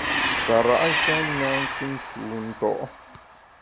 Kara’ sha na nkù nshu nto’.